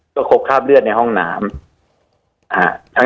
ก็ครบคราบเลือดในห้องน้ำ